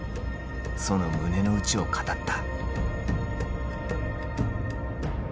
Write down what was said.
その胸の内を語った。